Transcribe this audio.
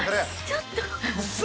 ◆ちょっと。